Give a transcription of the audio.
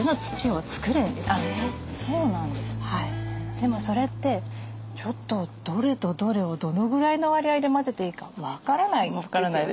でもそれってちょっとどれとどれをどのぐらいの割合で混ぜていいか分からないですよね。